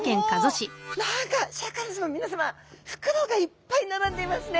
何かシャーク香音さま皆さま袋がいっぱい並んでいますね。